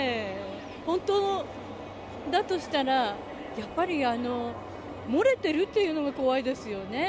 本当だとしたら、やっぱり漏れてるというのが怖いですよね。